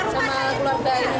sama keluarga ini